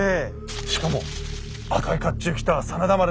しかも赤い甲冑を着た真田丸の。